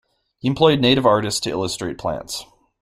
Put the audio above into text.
He employed native artists to illustrate plants.